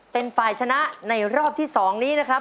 เป็นฝ่ายชนะในรอบที่๒นี้นะครับ